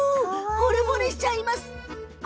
ほれぼれしちゃいますね。